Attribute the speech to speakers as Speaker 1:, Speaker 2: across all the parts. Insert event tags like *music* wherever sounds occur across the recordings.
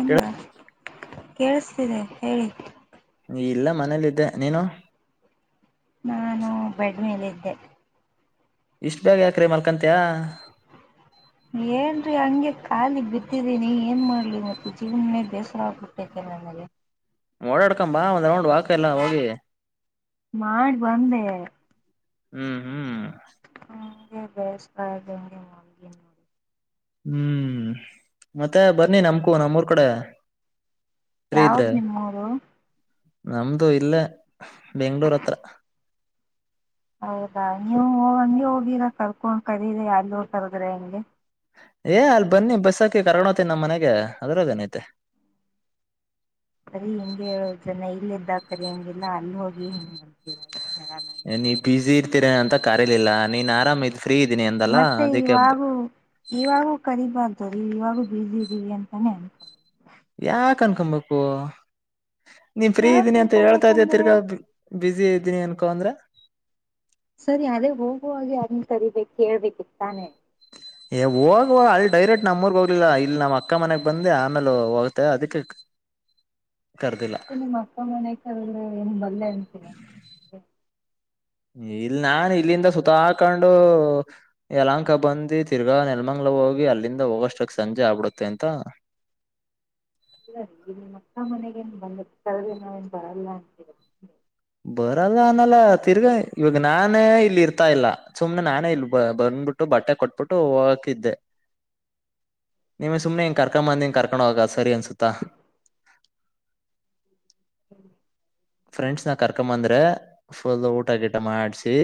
Speaker 1: ಎಂದ ಕೇಳಿಸತಿದೆ ಹೇಳಿ.
Speaker 2: ನೀ ಇಲ್ಲ ಮನೇಲ್ಲ ಇದಿದ್ದೆ. ನೀನು?
Speaker 1: ನಾನು ಬೆಡ್ ಮೇಲೆ ಇದ್ದೆ.
Speaker 2: ಇಷ್ಟು ಬೇಗ ಯಾಕರೆ ಮಾಲ ಮಲ್ಕೋತಿಯ?
Speaker 1: ಏನ್ರಿ ಹಂಗೆ ಖಾಲಿ ಬಿದ್ದಿದ್ದೀನಿ, ಏನ್ ಮಾಡ್ಲಿ ಮತ್ತೆ ಜೀವನೇ ಬೇಸರ ಆಗ್ಬಿಟ್ಟೈತೆ ನನಗೆ.
Speaker 2: ಓಡಾಡ್ಕಂಬಾ ಒಂದ್ ರೌಂಡ್ ವಾಕ ಎಲ್ಲ ಹೋಗಿ.
Speaker 1: ಮಾಡಿ ಬಂದೆ.
Speaker 2: ಹ್ಮ್ ಹ್ಮ್
Speaker 1: ಹಗೆ *unintelligible* ಹ ನೋಡಿ
Speaker 2: ಹ್ಮ್ ಮತ್ತೆ ಬರ್ನ್ನಿ ನಮ್ಮ ನಮ್ಮೂರ್ ಕಡೆ. ಫ್ರೀ
Speaker 1: ಯಾವ್ದ
Speaker 2: ಇದ್ರೆ
Speaker 1: ನಿಮ್ಮ ಊರು?
Speaker 2: ನಮ್ದು ಇಲ್ಲೇ ಬೆಂಗಳೂರು ಹತ್ರ.
Speaker 1: ಹೌದಾ ನೀವು ಹೋಗಂಗೆ ಹೋಗಿರ ಕ ಖರೀರಿ ಅಲ್ಲೂ ಕರದ್ರೆ ಹೆಂಗೆ
Speaker 2: ಏ ಅಲ್ಲಿ ಬನ್ನಿ ಬಸ್ಸಾತ್ತಿ ಕರ್ಗೋತನ ನಮ್ಮ್ನೆಗೆ ಅದ್ರದೇನೈತೆ.
Speaker 1: ಸರಿ ಹಿಂಗಗೆ ಹೇಳೋ ಜನ ಇಲ್ಲ ಇದ್ದಾಕರಿ ಹೆಂಗಿಲ್ಲಾ ಅಲ್ಲಿ ಹೋಗಿ ಹಿಂಗ್ ಮಾಡತೀರಾ.
Speaker 2: ಏನ್ ನೀವು ಪಿ ಜಿ ಅಂತ ಕರಲಿಲ್ಲ ನೀನ್ ಆರಾಮ
Speaker 1: ಮತ್ತೆ ಇವಾಗೂ ಇವಾಗೂ ಕರಿಬಾರ್ ಸರಿ ಇವಾಗೂ ಬಸಿ ಇದೀವಿ ಅಂತಾನೇ ಅನ್ಕೋ
Speaker 2: ಯಾಕ ಅನ್ಕೊಬೇಕು? ನೀನ್ ಫ್ರೀ
Speaker 1: ಯಾಕ್
Speaker 2: ಇದ್ದೀನಿ ಅಂತ ಹೇಳ್ತಾ ಇದ
Speaker 1: ತುಂಬ್ಕೊಬೇಕಂದ್ರೆ
Speaker 2: ತಿರ್ಗಾ. ಬ್ಯುಸಿ ಇದ್ದೀನಿ ಅನ್ಕೋ ಅಂದ್ರೆ.
Speaker 1: ಸರಿ ಅದೇ ಹೋಗುವಾಗ ಯಾರ್ನ ಕರಿಬೇಕ ಕೇಳ್ಬೇಕಿತ್ತಾನೆ.
Speaker 2: ಏ ಹೋಗುವಾಗ ಅಲ್ಲಿ ಡೈರೆಕ್ಟ್ ನಮ್ಮ್ ಊರಿಗೆ ಹೋಗ್ಲಿಲ್ಲ ಇಲ್ಲಿ ನಮ್ಮ್ ಅಕ್ಕ ಮನೆಗ್ ಬಂದೆ ಆಮೇಲೆ ಹೋಗ್ತ ಅದಕ್ಕೆ ಕರ್ದಿಲ್ಲ
Speaker 1: ಮತ್ತೆ ನಿಮ್ಮ ಅಪ್ಪ ಅಮ್ಮನೇ ಕಾರುದ್ರೆ ಏನ್ ಬರಲ್ಲ ಅಂತಿರಾ.
Speaker 2: ಇಲ್ ನಾನೇ ಇಲ್ಲಿಂದ ಸುತ ಹಾಕೊಂಡು, ಯಲಹಂಕ ಬಂದ ತಿರ್ಗಾ ನೆಲಮಂಗ್ಲ ಹೋಗಿ ಅಲ್ಲಿಂದ ಹೋಗಷ್ಟಕ್ ಸಂಜೆ ಆಗ್ಬಿಡುತ್ತೆ ಅಂತ,
Speaker 1: ಇಲ್ಲ ರೀ ಈ ನಿಮ್ಮ ಅಕ್ಕ ಮನೆಗೇನ್ ಬಂದ ತ ನಾವೇನ್ ಬರಲ್ಲ ಅಂತ ಹೇಳ
Speaker 2: ಬರಲ್ಲ ಅನಲ್ಲ, ತಿರ್ಗ ಇವಾಗ ನಾನೇ ಇಲ್ಲಿ ಇರ್ತಾ ಇಲ್ಲ ಸುಮ್ನೆ ನಾನೇ ಇಲ್ ಬ ಬಂದ್ಬಿಟ್ಟು ಬಟ್ಟೆ ಕೊಟ್ಬಿಟ್ಟು ಹೋಗಕಿದ್ದೆ ನಿಮ್ನ ಸುಮ್ನೆ ಹಿಂಗ್ ಕರ್ಕೊಂಡ್ ಬಂದಿ, ಕರ್ಕೊಂಡ್ ಹೋಗದ್ ಸರಿ ಅನ್ಸುತ್ತಾ?
Speaker 1: *unintelligible*
Speaker 2: ಫ್ರೆಂಡ್ಸ್ ನ ಕರ್ಕೊಂಡ್ ಬಂದೆ ಫುಲ್ ಊಟ ಗಿಟ ಮಾಡಸಿ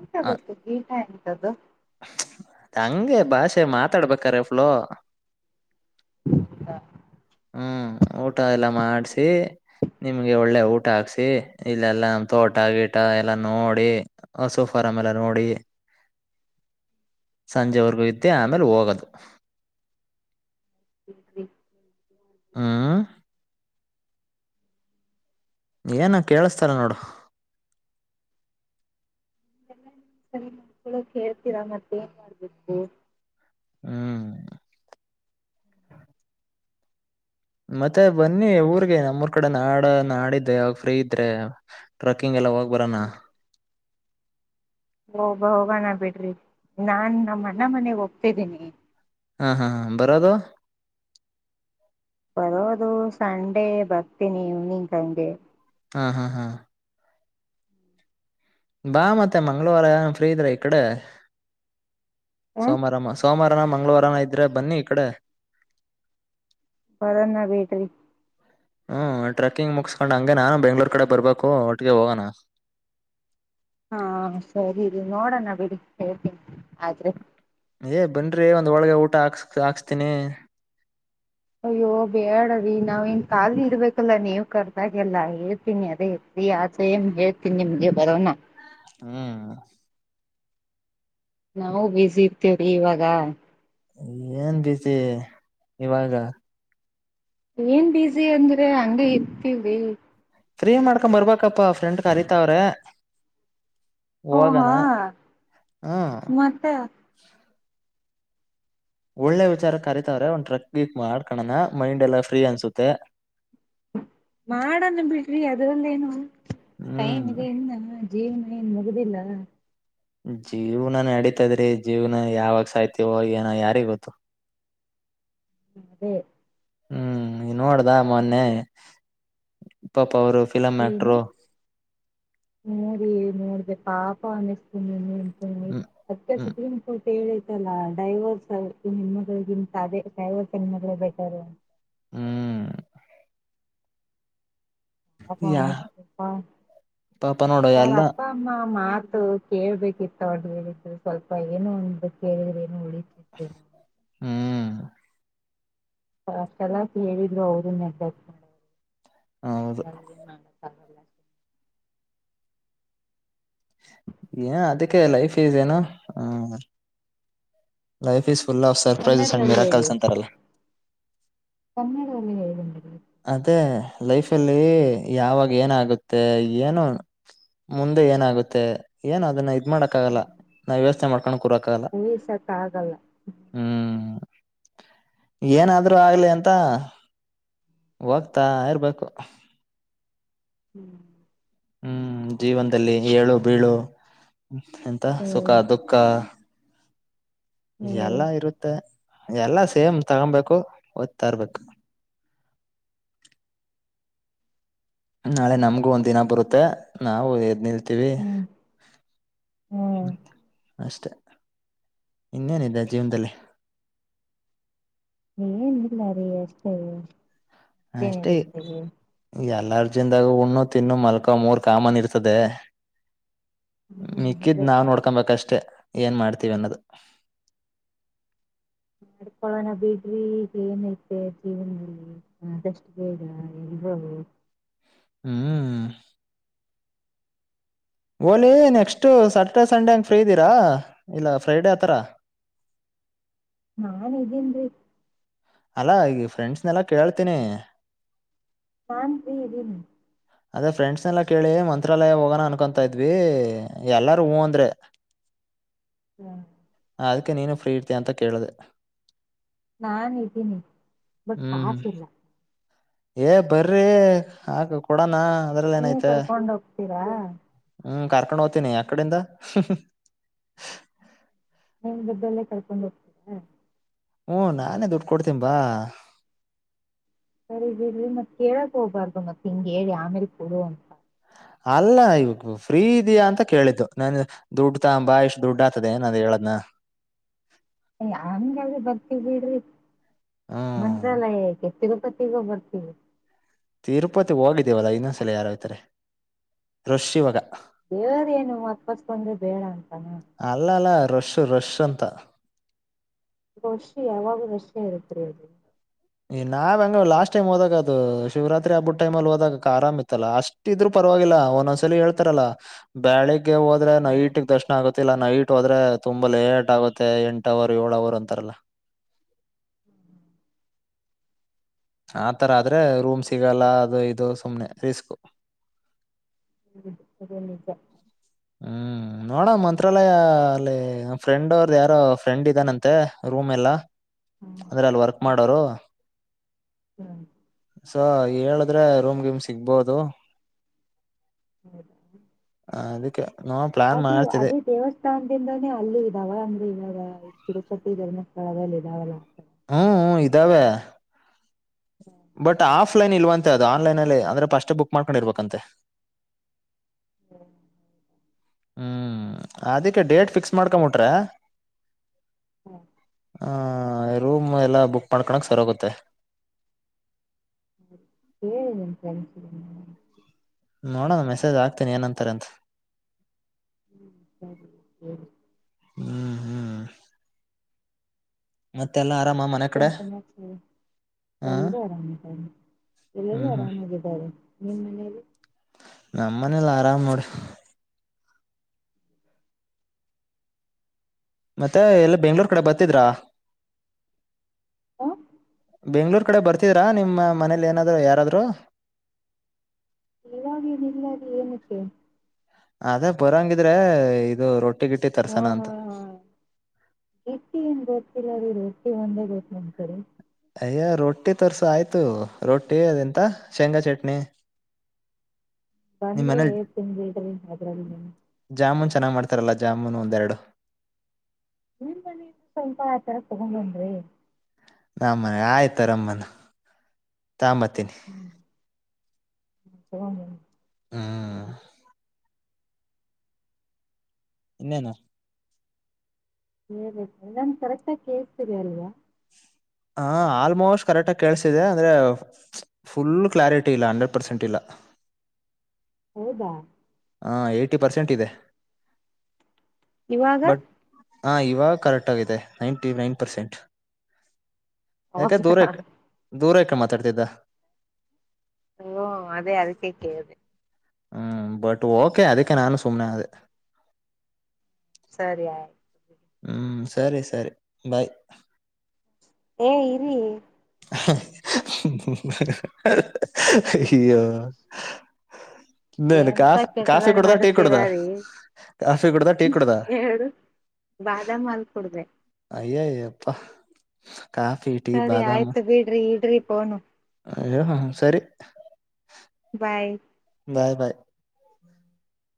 Speaker 1: ಊಟ ಗೊತ್ತ ಗೀಟ ಎಂತದ್ದು?
Speaker 2: ಹಂಗೆ ಭಾಷೆ ಮಾತಾಡಬೇಕಾದ್ರೆ ಫ್ಲೋ ಹ್ಮ್ ಊಟ ಎಲ್ಲ ಮಾಡ್ಸಿ ನಿಮ್ಗೆ ಒಳ್ಳೆ ಊಟ ಹಾಕ್ಸಿ, ಇಲ್ಲೆಲ್ಲಾ ತೋಟ ಗೀಟ ಎಲ್ಲ ನೋಡಿ ಹಸು ಫಾರ ಎಲ್ಲ ನೋಡಿ ಸಂಜೆವರೆಗೂ ಇದ್ದೆ ಆಮೇಲೆ ಹೋಗೋದು.
Speaker 1: *unintelligible*
Speaker 2: ಹ್ಮ್
Speaker 1: *unintelligible*
Speaker 2: ಏನ ಕೇಳಸ್ತಾಲ್ಲ ನೋಡ,
Speaker 1: ಮಾಡ್ಕೊಳಕ್ ಹೇಳ್ತೀರಾ ಮತ್ತೆ ಏನ್ ಮಾಡ್ಬೇಕು?
Speaker 2: ಹ್ಮ್ ಮತ್ತೆ ಬನ್ನಿ ಊರ್ಗೆ ನಮ್ಮೂರ್ ಕಡೆ ನಾಡ ನಾಡಿದ್ದೆ ಯಾವಾಗ ಫ್ರೀ ಇದ್ರೆ ಟ್ರಕ್ಕಿಂಗ್ ಎಲ್ಲ ಹೋಗ ಬರನಾ.
Speaker 1: ಹೋಗಬ ಹೋಗಣ ಬಿಡ್ರಿ ನಾನ್ ನಮ್ಮ ಅಣ್ಣಾ ಮನೆಗ್ ಹೋಗ್ತಿದ್ದೀನಿ.
Speaker 2: ಹಾ ಹಾ ಹಾ ಬರೋದು
Speaker 1: ಬರೋದು ಸಂಡೇ ಬರ್ತೀನಿ ಇವ್ನಿಂಗ್ ಹಂಗೆ.
Speaker 2: ಹಾ ಹಾ ಹಾ ಬಾ ಮತ್ತೆ ಮಂಗ್ಳವಾರ ಫ್ರೀ ಇದ್ರ ಈ ಕಡೆ.
Speaker 1: ಹ
Speaker 2: ಸೋಮವಾರಮ್ಮ ಸೋಮಾರ ಮಂಗಳವಾರನ ಇದ್ರೆ ಬನ್ನಿ ಈ ಕಡೆ.
Speaker 1: ಬರೋಣ ಬಿಡ್ರಿ,
Speaker 2: ಹ್ಮ್ ಟ್ರೆಕ್ಕಿಂಗ್ ಮುಗಸ್ಕೊಂಡ್ ಹಂಗೆ ನಾನು ಬೆಂಗ್ಳೂರ್ ಕಡೆ ಬರ್ಬೇಕು ಒಟ್ಟಿಗೆ ಹೋಗೋಣ.
Speaker 1: ಹಾ ಸರಿ ರಿ ನೋಡೋಣ ಬಿಡಿ ಹೇಳ್ತೀನಿ ಆದ್ರೆ.
Speaker 2: ಏ ಬನ್ರೀ ಒಂದ್ ಹೋಳಿಗೆ ಊಟ ಹಾಕ್ಸ್ ಹಾಕ್ಸ್ತೀನಿ.
Speaker 1: ಅಯ್ಯೋ ಬೇಡ ರಿ ನಾವ್ ಇನ್ ಕಾಲಿ ಇರ್ಬೇಕಲ್ಲ ನೀವ್ ಕರ್ದಾಗೆಲ್ಲ ಹೇಳ್ತೀನಿ ಅದೇ ಇರಿ ಆಚೆ ಹೇಳ್ತೀನಿ ನಿಮ್ಗೆ ಬರೋನ.
Speaker 2: ಹ್ಮ್
Speaker 1: ನಾವು ಬ್ಯುಸಿ ಇರ್ತೇವ್ರಿ ಇವಾಗ.
Speaker 2: ಏನ್ ಬ್ಯುಸಿ ಇವಾಗ?
Speaker 1: ಏನ್ ಬಸಿ ಅಂದ್ರೆ ಹಂಗ ಇರ್ತವಿ.
Speaker 2: ಫ್ರೀ ಮಾಡ್ಕೊಂಡ ಬರ್ಬಕಪ್ಪ ಫ್ರೆಂಡ್ ಕರತಾವ್ರೆ, ಹೋಗಣ
Speaker 1: ಓಹಾ
Speaker 2: ಹ್ಮ
Speaker 1: ಮತ್ತ
Speaker 2: ಒಳ್ಳೆ ವಿಚಾರ ಕರಿೀತವ್ರೆ ಒಂದ್ ಟ್ರಕ್ಿ ಮಾಡ್ಕಣಣ ಮೈಂಡ್ ಎಲ್ಲಾ ಫ್ರೀ ಅನ್ಸುತ್ತೆ
Speaker 1: ಮಾಡನ್ ಬಿಡ್ರಿ ಅದರಲ್ಲೇನು
Speaker 2: ಹ್ಮ್
Speaker 1: ಟೈಮ್ ಇದೆ ಇನ್ನ ಜೀವನ ನ್ ಮುಗುದಿಲ್ಲ
Speaker 2: ಜೀವ್ನ ನಡೀತದ್ರಿ ಜೀವ್ನ ಯಾವಾಗ ಸಾಯ್ತವೋ ಏನ ಯಾರಿ ಗೊತ್ತು
Speaker 1: ಅದೇ
Speaker 2: ಹ್ಮ್ ನೋಡ್ದ ಮೊನ್ನೆ ಪಾಪ ಅವರು ಫಿಲಂ
Speaker 1: ಏನು
Speaker 2: ಆಕ್ಟ್ರು
Speaker 1: ನೋಡಿ ನೋಡಬೇಕ ಪಾಪ ಅನ್ನಸ್ನೆ
Speaker 2: ಹ್ಮ್
Speaker 1: *unintelligible*
Speaker 2: ಹ್ಮ್
Speaker 1: ಕತಲ್ಲಾ ಡೈವರ್ಸ್ ನಿಮಗಳಿಗಿಂತ ಅದೇ ಡೈವರ್ಸ್ ಸಿನಮಳ ಬಾ ಬೆಟರ್
Speaker 2: ಹ್ಮ್
Speaker 1: ಅವ
Speaker 2: ಯಾ ಪಾಪ ನೋಡು ಎಲ್ಲ
Speaker 1: ಅಪ್ಪ ಅಮ್ಮ ಮಾತು ಕೇಳ್ಬೇಕಿತ್ತ ಒಟ್ ಹೇಳಿದ ಸ್ವಲ್ಪ ಏನು ಒಂದು ಕೇಳಿದ್ರೆ ಏನು ಉಳತಿವು
Speaker 2: ಹ್ಮ್
Speaker 1: ಷ್ಟ ಎಲ ಹೇಳಿದ್ರು ಅವರು ಮೆಸೇಜ್ ಮಾಡಲ್ಲ ಎ
Speaker 2: ಹೌದು
Speaker 1: *unintelligible* ಲ
Speaker 2: ಏನ್ ಅದಕ್ಕೆ ಲೈಫ್ ಈಸ್ ಏನು hmm life is full of surprises ಅಣ್ಣ
Speaker 1: ಕನ್ನಡದಲ್ಲಿ
Speaker 2: ಮೀರಾ
Speaker 1: ಹೇಳಿ
Speaker 2: ಕಲ್ಸಸ್ ಅಂತಾರಲ್ಲ
Speaker 1: ಕನ್ನಡದಲ್ಲಿ ಹೇಳಿ ಮೇಡಂ
Speaker 2: ಅದೇ ಲೈಫ್ಲ್ಲಿ ಯಾವಾಗ ಏನಾಗುತ್ತೆ ಏನು ಮುಂದೆ ಏನಾಗುತ್ತೆ ಏನು ಅದನ್ನ ಮಾಡಕಕ್ಕಾಗಲ್ಲ ನಾವು ಯೋಚ್ನೆಮಾಡ್ ಕಣ ಕೂರಕಾಗಲ್ಲ
Speaker 1: ಊಹಿಸಕ್ ಆಗಲ್ಲ
Speaker 2: ಹ್ಮ್ ಏನಾದ್ರೂ ಆಗ್ಲಿ ಅಂತ ಹೋಗ್ತಾ ಇರ್ಬೇಕು
Speaker 1: ಹ್ಮ್
Speaker 2: ಹ್ಮ್ ಜೀವನದಲ್ಲಿ ಏಳು ಬೀಳು ಎಂತ ಸುಖ
Speaker 1: ಹ್ಮ್
Speaker 2: ದುಃಖ
Speaker 1: ಹ್ಮ್
Speaker 2: ಎಲ್ಲ ಇರುತ್ತೆ ಎಲ್ಲಾ ಸೇಮ್ ತಗೊಬೇಕು ಒಯ್ತಾರ್ಬೇಕು ನಾಳೆ ನಮ್ಗು ಒಂದ್ ದಿನ ಬರುತ್ತೆ ನಾವು ಎದ್ ನಿಲ್ ಥಿವಿ
Speaker 1: ಹ್ಮ್ ಹ್ಮ್
Speaker 2: ಅಷ್ಟೇ ಇನ್ನೇನಿದೆ ಜೀವದಲ್ಲೇ
Speaker 1: ನೀ ನಿಲ್ಲ ರ *unintelligible*
Speaker 2: ಹ ಅಷ್ಟೇ ಯಾರ ಎಲರ್ಜಿಯಿಂದಾಗ ಉುಣ್ಣು ತಿನ್ನು ಮಲ್ಕೋ ಮೂರ್ ಕಾಮನ್ ಇರ್ತದೆ ಮಿಕ್ಕಿದ್
Speaker 1: ಅದೇ
Speaker 2: ನಾವ್ ನೋಡ್ಕೊಬೇಕಷ್ಟೇ ಅಷ್ಟೆ ಏನ್ ಮಾಡ್ತೀವಿ ಅನ್ನೋದು
Speaker 1: ಮಾಡ್ಕೊಳೋಣ ಬಿಡ್ರಿ ಏನೈತೆ ಜೀವನದಲ್ಲಿ ಆದಷ್ಟು ಬೇಗ ಎಲ್ರವು
Speaker 2: ಹ್ಮ್ ಓಲಿ ನೆಕ್ಸ್ಟ ಸ್ಯಾಟರ್ಡೆ ಸಂಡೆ ಹಂಗ ಫ್ರೀ ಇದ್ದೀರಾ ಇಲ್ಲ ಫ್ರೈಡ ಆತ್ರರ
Speaker 1: ನಾನ್ ಇದನ್ೀ ಎಧಿನ್ರಿ
Speaker 2: ಅಲ್ಲಾ ಈಗ ಫ್ರೆಂಡ್ಸ್ನೆಲ್ಲಾ ಕೇಳ್ತೀನಿ
Speaker 1: ನಾನ್ ಫ್ರೀ ಇದೀನಿ
Speaker 2: ಅದೇ ಫ್ರೆಂಡ್ಸ್ ಎಲ್ಲ ಕೇಳಿ ಮ ತ್ರಾಲಯ ಹೋಗೋಣ ಅನ್ಕೊತಾ ಇದ್ವಿ ಎಲ್ಲಾರು ಹೂ ಅಂದ್ರೆ
Speaker 1: ಹ್ಮ
Speaker 2: ಅದಕ್ಕೆ ನೀನು ಫ್ರೀ ಇರ್ತೀಯ ಅಂತ ಕೇಳಿದೆೆ
Speaker 1: ನಾನ್ ಇದ್ದೀನಿ ಬಟ್
Speaker 2: ಹ್ಮ್
Speaker 1: ಕಾಸ ಇಲ್ಲ
Speaker 2: ಏ ಬರ್ರಿ ಆ ಕೊಡನಾ
Speaker 1: ನೀವ ಕರ್ಕೊಂಡ ಹೋಗ್ತೀರಾ
Speaker 2: ಹ್ಮ್ ಕಾರ್ಕೊಂಡು ಹೋಗ್ತೇನಿ ಅಡಿಂದ ಹೂಂ ಹು
Speaker 1: ಬದಲ್ಲೇ ಕಳ್ಕೊಂಡ್ ಹೋಗ್ತರ
Speaker 2: ಹ್ಮ ನಾನೇ ದುಡ್ಡು ಕೊಡ್ತನ್ ಬಾ
Speaker 1: ಸರಿಲ್ಲಿ ಮತ್ ಕೇಳಕ್ ಹೋಗಬಾರ್ದು ಮತ್ತತ್ ಹಿಂಗ್ ಹೇಳಿ ಆಮೇಲೆ ಕೊಡ ಅಂತ
Speaker 2: ಅಲ್ಲ ಇವ ಫ್ರೀ ಇದಯಾ ಅಂತ ಕೇಳಿದ್ದು ನನ್ ದುಡ್ ತಂಬಾ ಇಷ್ಟು ದುಡ್ಡ ಆತದೆ ಏನದ ಹೇಳದ್ನ
Speaker 1: ಯಂಗಂಗ ಬರ್ತ ಬಿಡ್ರಿ
Speaker 2: ಹ್ಮ್
Speaker 1: ಮಂತ್ರಾಲಯ ಕೆತ್ತಗ ಪ ಸಿಗ ಬಾರ್ಥಿವಿ
Speaker 2: ತಿರುಪತಿ ಹೋಗಿದ್ದೀವಲ್ಲಾ ಇನ್ನೊಂದ್ಸಲ ಯಾರ ಆ್ತಾರೆ ರಶ್ ಈವಾಗ
Speaker 1: ದೇವ್ರ ಏನು ಅಕ್ಕಸ್ಕಂದ್ರೆ ಬೇಡ ಅಂತಾನ
Speaker 2: ಅಲ್ಲ ಅಲ್ಲ ರಶ್ ರಶ್ ಅಂತ
Speaker 1: ವಷಿ ಯಾವಾಗ ರೇಷೆ ಇರುತ್ತೆ
Speaker 2: ನಾವ ಹೆಂಗ ಲಾಸ್ಟ್ ಟೈಮ್ ಹೋದಾಗ ಅದು ಶಿವರಾತ್ರಿ ಹಬ್ಬಟ್ ಟೈಮ ಅಲ್ಲಿ ಹೋದಕ ಆರಾಮ ಇತ್ತಲ್ಲಾ ಅಷ್ಟ ಇದ್ರು ಪರವಾಗಿಲ್ಲ ಒಂದೊಂದ್ಸಲ ಹೇಳ್ತಾರಲ್ಲಾ ಬ್ಯಾಳಿಗ್ಗೆ ಹೋದ್ರೆ ನೈಟಗ್ ದರ್ಶನ ಆಗತ್ತ ಇಲ್ಲ ನೈಟ್ ಹೋದ್ರೆ ತುಂಬಾ ಲೇಟ್ ಆಗುತ್ತೆ ಎಂಟ ಅವರ್ ಏಳ್ ಅವರ್ ಅಂತಾರಲ್ಲ ಆತರ ಆದ್ರೆ ರೂಮ್ ಸಿಗಲ್ಲ ಅದು ಇದು ಸುಮ್ನೆ ರಿಸ್ಕ್
Speaker 1: ಹ್ಮ *unintelligible*
Speaker 2: ಹ್ಮ್ ನೋಡೋ ಮಂತ್ರಾಲಯ ಅಲ್ಲಿ ನ ಫ್ರೆಂಡ್ ಅವ್ರದ ಯಾರೋ ಫ್ರೆಂಡ್ ಇದ್ದಾನಂತೆ ರೂಮ್ ಎಲ್ಲ ಅಂದ್ರೆ ಅಲ್ಲಿ ವರ್ಕ್ ಮಾಡೋರು ಸೊ ಹೇಳಿದ್ರೆ ರೂಮ್ ಗಿಮ್ ಸಿಗ್ಬೋದು
Speaker 1: ಹೌ
Speaker 2: ಹ ಅದ
Speaker 1: ಅದು ಅದೇ ದೇವಸ್ಥಾನದಿಂದಾನೇ ಅಲ್ಲಿ ಇದಾವ ಅಂದ್ರೆ ಇವಾಗ ತಿರುಪತಿ ಧರ್ಮಸ್ಥಳದಲ್ಲ ಇದಾವಲ್ಲಾ
Speaker 2: ದವೆ ಆಫ್ಲೈನ್ ಇಲ್ವಂತೆ ಅದು ಆನ್ಲೈನ್ಲ್ಲಿೇ ಅಂದ್ರೆ ಪ
Speaker 1: *inaudible*
Speaker 2: ಹ್ಮ್ ಅದಿಕ್ಕೆ ಡೇಟ್ ಫಿಕ್ಸ್ ಮಾಡ್ಕೊಂಬಿಟ್ರ ಹಾ ಹಾ ರೂಮ್ ಎಲ್ಲ ಬುಕ್ ಮಾಡ್ಕಳಕ್ ಸರಿಗುತ್ತೆ
Speaker 1: ಹೇಳ ನಿ ಕಳ
Speaker 2: ನೋಡೋಣ ಮೆಸೇಜ್ ಆಕ್ತೀನಿ ಏನಂತಾರೆ ಅಂತ
Speaker 1: ಹ್ಮ್ ಸರಿ ಸರಿ
Speaker 2: ಹ್ಮ್ ಹ್ಮ್ ಮತ್ತೆಲ್ಲ ಆರಾಮ ಮನೆ ಕಡೆ
Speaker 1: ಮತ್ತಿನ ಸಮಾಚಾರ
Speaker 2: ಹಾ
Speaker 1: ಎಲ್ಲ ಆರಾಮಿದ್ದಾರೆ ಎಲ್ಲೆಲ್ಲೂ
Speaker 2: ಹ್ಮ್ ಹ್ಮ್
Speaker 1: ಆರಾಮಾಗಿದ್ದಾರೆ ನಿಮ್ಮ ಮನೇಯಲ್ಲಿ
Speaker 2: ನಮ್ಮ ಮನಲ್ಲ ಆರಾಮ್ ನೋಡ ಮತ್ತೆ ಎಲ್ಲಿ ಬೆಂಗಳೂರ್ ಕಡೆ ಬರ್ತಿದ್ರಾ
Speaker 1: ಹ
Speaker 2: ಬೆಂಗಳೂರು ಕಡೆ ಬರ್ತಿದ್ರಾ ನಿಮ್ಮ ಮನೇಲಿ ಏನಾದರೂ ಯಾರಾದರೂ
Speaker 1: ನೀವಾಗನಿಲ್ಲದೆ ಏನಕ್ಕೆ
Speaker 2: ಅದೇ ಬರಂಗಿದ್ರೆ ಇದು ರೊಟ್ಟಿ ಗಿಟ್ಟಿ
Speaker 1: ಹಾ
Speaker 2: ತರ್ಸನ
Speaker 1: ಹಾ
Speaker 2: ಅಂತ
Speaker 1: ಹಾ ಎತ್ತ ಏನ್ ಗೊತ್ತಿಲ್ಲದರು ಒಂದೇ ಗೊತ್ತು ನ್ಂತರಿ *unintelligible*
Speaker 2: ಅಯ್ಯ ರೊಟ್ಟಿ ತೋರ್ಸ ಆಯ್ತು ರೊಟ್ಟಿ ಅದೆಂತ ಶೇಂಗಾ ಚಟ್ನಿ ನಿಮ್
Speaker 1: ಬಂದ್ರೆ
Speaker 2: ಮನೇಲಿ
Speaker 1: ಏ ತಿನ್ಡ್ರಿ ಅದ್ರಲ್
Speaker 2: ಚೆನ್ನಾಗಿ ಮಾಡ್ತಾರಲ್ಲ ಜಾಮೂನು ಒಂದೆರಡು
Speaker 1: ನೀನ್ ಮನಿಂದ ಸ್ವಲ್ಪ ಆತರ ತಗೊಂಡನ್ರಿ
Speaker 2: ನ ಮನೆ ಆಯ್ತರಮ್ಮನ ತಂಬತ್ತಿನ
Speaker 1: ಹಗ *unintelligible*
Speaker 2: ಹ್ಮ್ ಇನ್ನೇನು
Speaker 1: ಹೇಬೇಕ ನನ್ ಕರೆಕ್ಟಾಗಿ ಕೇಳ್ತೀರಿ ಅಲ್ವಾ
Speaker 2: ಹಾ ಆಲ್ಮೋಸ್ಟ್ ಕರೆಕ್ಟಾಗಿ ಕೇಳಸಿದೆ ಅಂದ್ರೆ ಫುಲ್ ಕ್ಲಾರಿಟಿ ಇಲ್ಲ ಹಂಡ್ರೆಡ್ ಪರ್ಸೆಂಟ್ ಇಲ್ಲ
Speaker 1: ಹೌದಾ
Speaker 2: ಹಾ ಏಯ್ಟಿ ಪರ್ಸೆಂಟ್ ಇದೆ
Speaker 1: ಇವಾಗ
Speaker 2: ಬಟ್ ಹಾ ಇವಾಗ ಕರೆಕ್ಟ್ ಆಗಿದೆ ನೈಂಟಿ ನೈನ್ ಪರ್ಸೆಂಟ್
Speaker 1: ಹೌದಾ
Speaker 2: ದೂರಕ ಮಾತಾಡ್ತಿದ್ದ
Speaker 1: ಅದೇ ಅದಕ್ಕೆ ಕೇಳಿದೆ
Speaker 2: ಹ್ಮ್ ಬಟ್ ಓಕೆ ಅದಕ್ಕೆ ನಾನು ಸುಮನೆ ಅದ
Speaker 1: ಸರಿ ಆಯ್ತು
Speaker 2: ಹ್ಮ್ ಸರಿ ಸರಿ ಬಾಯ್
Speaker 1: ಏ ಇರಿ
Speaker 2: ಹ
Speaker 1: ಎಂತ ಕೆಟ್ಟದಾಗ ನಗ್ತೀರಾ ರೀ
Speaker 2: ಕಾಫಿ ಕುಡ್ದ ಟೀ ಕುಡ್ದ
Speaker 1: ಎರಡು ಬಾದಾಮಲ್ ಕೂಡದೆ *unintelligible*
Speaker 2: ಅಯ್ಯಪ್ಪ *unintelligible*
Speaker 1: ಸರಿ ಆಯ್ತು ಬಿಡ್ರಿ ಇಡ್ರಿ *unintelligible* ಹನು *unintelligible*
Speaker 2: ಅ ಹ ಸರಿ *unintelligible*
Speaker 1: ಆ *unintelligible*
Speaker 2: ಬಾಯ್ ಬಾಯ್ *unintelligible*